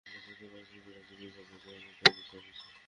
কিন্তু এলা দেখা যাইতোছে পুরা জমি ভাঙি যাওয়ার মতো অবস্থা হইছে।